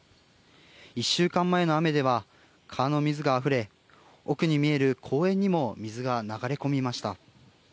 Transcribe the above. １週間前の雨では、川の水があふれ、奥に見える公園にも水が流れ込みました。